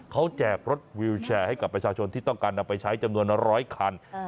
เขาแจกรถวิวแชร์ให้กับประชาชนที่ต้องการนำไปใช้จำนวนร้อยคัน